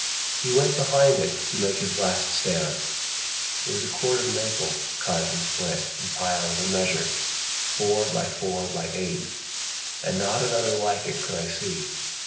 He went behind it to make his last stand. It was a cord of maple, cut and split And piled and measured, four by four by eight. And not another like it could I see.